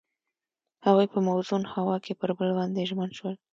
هغوی په موزون هوا کې پر بل باندې ژمن شول.